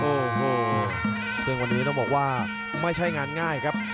โอ้โหซึ่งวันนี้ต้องบอกว่าไม่ใช่งานง่ายครับ